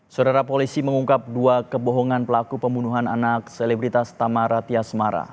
saudara polisi mengungkap dua kebohongan pelaku pembunuhan anak selebritas tamarati asmara